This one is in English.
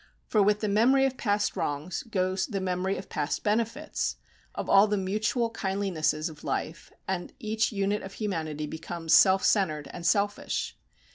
For with the memory of past wrongs, goes the memory of past benefits, of all the mutual kindlinesses of life, and each unit of humanity becomes self centred and selfish.